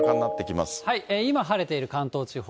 今、晴れている関東地方。